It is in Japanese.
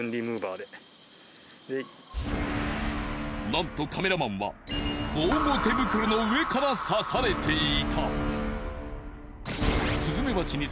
なんとカメラマンは防護手袋の上から刺されていた。